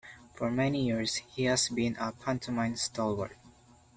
For many years he has been a pantomime stalwart.